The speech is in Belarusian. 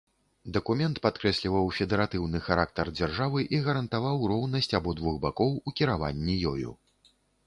Дакумент падкрэсліваў федэратыўны характар дзяржавы і гарантаваў роўнасць абодвух бакоў у кіраванні ёю.